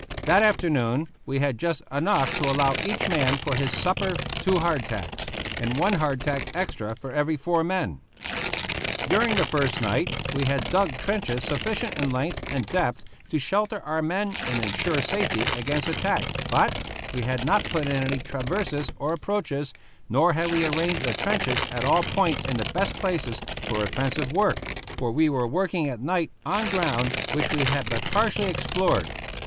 That afternoon we had just enough to allow each man for his supper two hardtacks, and one hardtack extra for every four men. During the first night we had dug trenches sufficient in length and depth to shelter our men and insure safety against attack, but we had not put in any traverses or approaches, nor had we arranged the trenches at all points in the best places for offensive work; for we were working at night on ground which we had but partially explored.